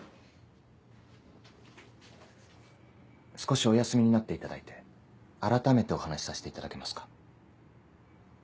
少しお休みになっていただいて改めてお話しさせていただけますか。